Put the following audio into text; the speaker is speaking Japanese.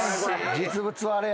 実物はあれやねん。